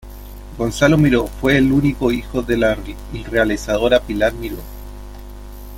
Gonzalo Miró fue el único hijo de la realizadora Pilar Miró.